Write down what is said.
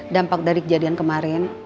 dampak dari kejadian kemarin